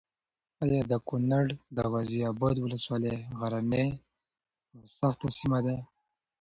ایا د کونړ د غازي اباد ولسوالي غرنۍ او سخته سیمه ده؟